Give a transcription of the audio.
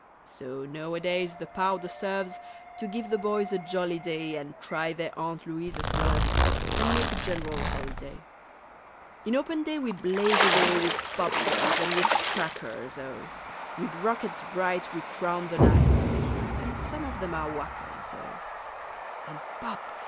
So nowadays the powder serves To give the boys a jolly day And try their Aunt Louisa's nerves, And make a general holiday. In open day we blaze away With popguns and with crackers, oh! With rockets bright we crown the night, (And some of them are whackers, oh!) And "pop!"